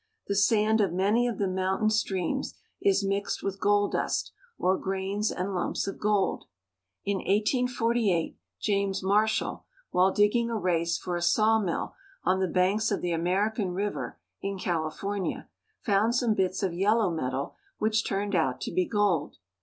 The sand of many of the mountain streams is mixed with gold dust, or grains and lumps of gold. In 1848 James Marshall, while digging a race for a saw mill on the banks of the American River in California, found some bits of yellow metal which turned out to be gold.